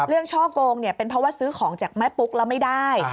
ช่อกงเป็นเพราะว่าซื้อของจากแม่ปุ๊กแล้วไม่ได้